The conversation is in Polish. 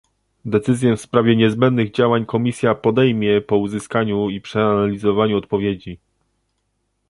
Decyzję w sprawie niezbędnych działań Komisja podejmie po uzyskaniu i przeanalizowaniu odpowiedzi